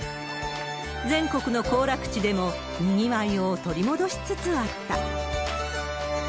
全国の行楽地でも、にぎわいを取り戻しつつあった。